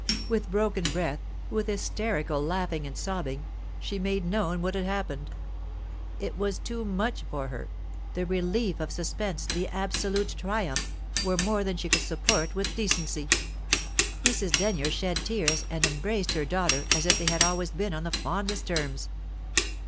With broken breath, with hysterical laughing and sobbing, she made known what had happened. It was too much for her; the relief of suspense, the absolute triumph, were more than she could support with decency. Mrs. Denyer shed tears, and embraced her daughter as if they had always been on the fondest terms.